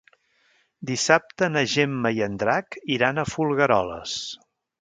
Dissabte na Gemma i en Drac iran a Folgueroles.